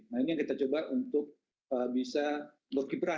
nah ini yang kita coba untuk bisa berkiprah di pasar internasional khususnya pasar korea